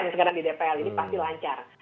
yang sekarang di dpr ini pasti lancar